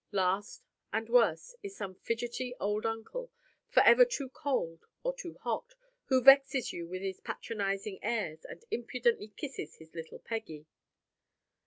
Last, and worse, is some fidgety old uncle, forever too cold or too hot, who vexes you with his patronizing airs, and impudently kisses his little Peggy!